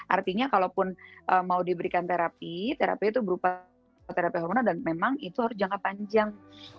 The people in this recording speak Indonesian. artinya kalaupun mau diberikan terapi terapi itu berupa terapi horror dan memang itu harus jangka panjang